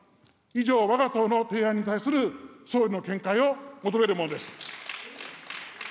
以上、わが党の提案に対する総理の見解を求めるものです。